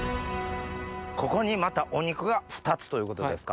ここにまたお肉が２つということですか。